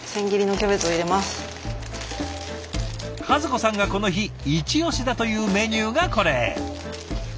和子さんがこの日イチオシだというメニューがこれ。